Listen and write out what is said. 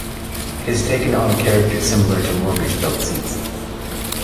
It has taken on a character similar to mortgage belt seats.